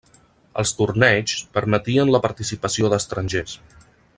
Els torneigs permetien la participació d'estrangers.